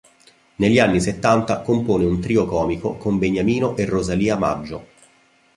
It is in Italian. Negli anni settanta compone un trio comico con Beniamino e Rosalia Maggio.